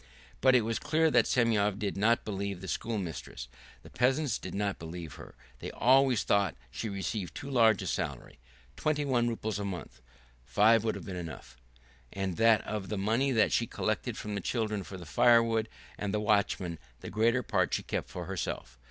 But it was clear that Semyon did not believe the schoolmistress. The peasants did not believe her. They always thought she received too large a salary, twenty one roubles a month (five would have been enough), and that of the money that she collected from the children for the firewood and the watchman the greater part she kept for herself.